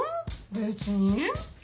別に。